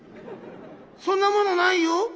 そんなものないよ」。